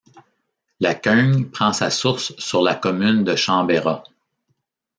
La Queugne prend sa source sur la commune de Chambérat.